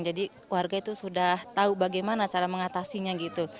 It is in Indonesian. jadi warga itu sudah tahu bagaimana cara mengatasinya gitu